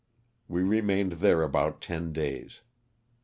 We remained there about ten days.